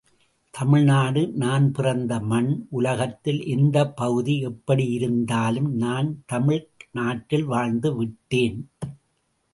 தமிழ்நாடு நான் பிறந்த மண் உலகத்தில் எந்தப்பகுதி எப்படி இருந்தாலும் நான் தமிழ்க் நாட்டில் வாழ்ந்துவிட்டேன்.